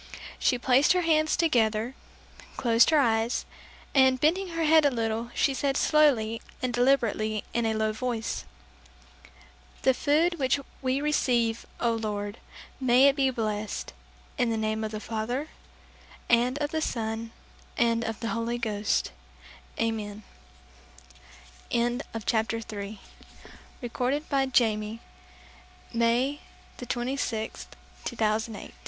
She placed her hands together, closing her eyes and bending her head a little, she said slowly and deliberately in a low voice, "The food which we receive, O Lord, may it be blessed, in the name of the Father, and of the Son, and of the Holy Ghost, Amen!" CHAPTER FOUR PAULA'S TREASURES Naturally, on awakening the next morning, after